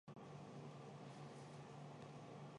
阿格萨克。